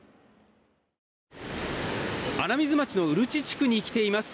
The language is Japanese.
穴水町の宇留地地区に来ています。